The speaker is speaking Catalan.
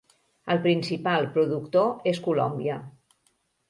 El principal productor és Colòmbia.